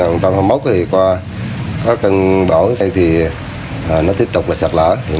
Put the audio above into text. nó nướng tới nhà dân